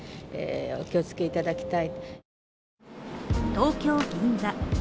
東京・銀座。